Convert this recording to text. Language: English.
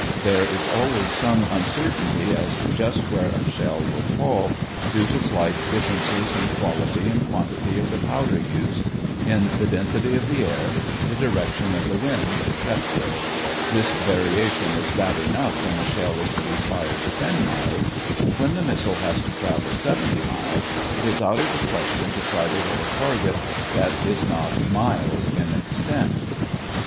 There is always some uncertainty as to just where a shell will fall, due to slight differences in quality and quantity of the powder used, in the density of the air, the direction of the wind, etc. This variation is bad enough when a shell is to be fired ten miles, but when the missile has to travel seventy miles, it is out of the question to try to hit a target that is not miles in extent.